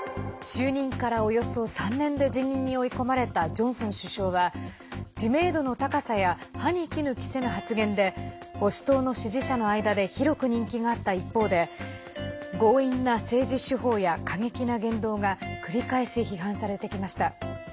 就任から、およそ３年で辞任に追い込まれたジョンソン首相は知名度の高さや歯に衣着せぬ発言で保守党の支持者の間で広く人気があった一方で強引な政治手法や過激な言動が繰り返し、批判されてきました。